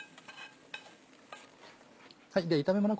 炒めもの